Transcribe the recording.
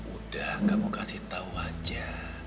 udah kamu kasih tahu aja